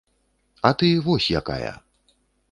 А ты вось якая.